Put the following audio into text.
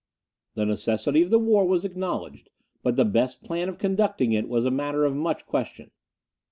The necessity of the war was acknowledged, but the best plan of conducting it was a matter of much question.